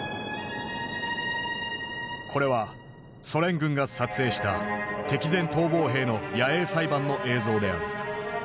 これはソ連軍が撮影した敵前逃亡兵の野営裁判の映像である。